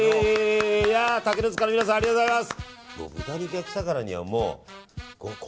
竹の塚の皆さんありがとうございます。